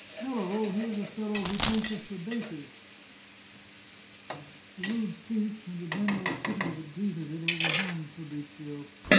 " Halloo, here's a fellow who takes us for bakers !" The rude speech and the general titter that greeted it overwhelmed Fabrizio.